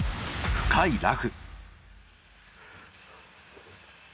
深いラフ。